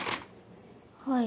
はい。